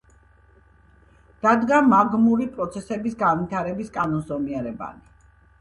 დაადგინა მაგმური პროცესების განვითარების კანონზომიერებანი.